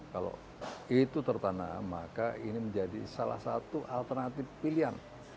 kalau itu tertanam maka ini menjadi salah satu alternatif pilihan